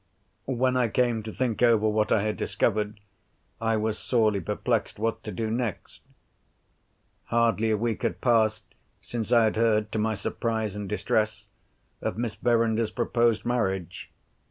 When I came to think over what I had discovered, I was sorely perplexed what to do next. Hardly a week had passed since I had heard (to my surprise and distress) of Miss Verinder's proposed marriage.